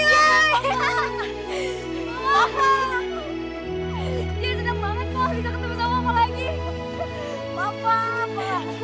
semua kalah pak